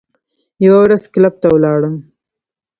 یوه ورځ کلب ته ولاړم.